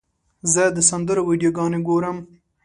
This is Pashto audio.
زه د سندرو ویډیوګانې ګورم.